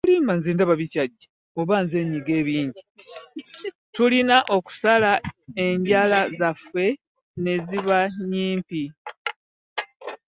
tulina okusala enjala zaffe ne ziba nnyimpi.